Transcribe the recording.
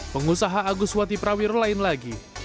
pengusaha agus wati prawiro lain lagi